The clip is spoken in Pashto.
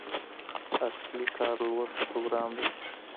اصلي کار لوست پروګرام دی.